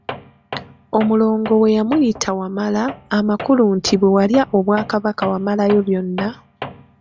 Omulongo we yamuyita Wamala, amakulu nti bwe walya obwakabaka wamalayo byonna.